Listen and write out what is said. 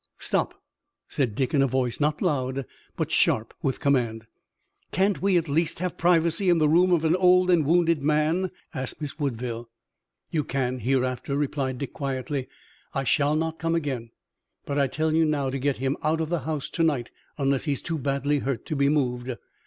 "Stop!" said Dick in a voice not loud, but sharp with command. "Can't we at least have privacy in the room of an old and wounded man?" asked Miss Woodville. "You can hereafter," replied Dick quietly. "I shall not come again, but I tell you now to get him out of the house to night, unless he's too badly hurt to be moved."